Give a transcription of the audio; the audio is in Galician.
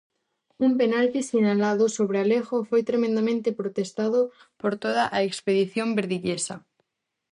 Un penalti sinalado sobre Alejo foi tremendamente protestado por toda a expedición verdillesa.